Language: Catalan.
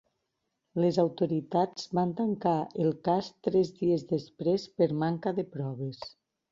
Les autoritats van tancar el cas tres dies després per manca de proves.